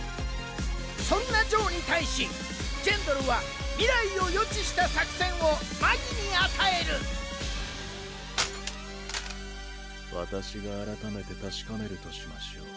そんなジョーに対しジェンドルは未来を予知した作戦をマギに与える私が改めて確かめるとしましょう。